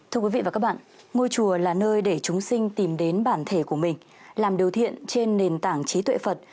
thưa quý vị và các bạn ngôi chùa là nơi để chúng sinh tìm đến bản thể của mình làm điều thiện trên nền tảng trí tuệ phật